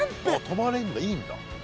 「泊まれるんだ？いいんだ？」